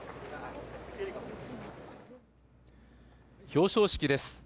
表彰式です。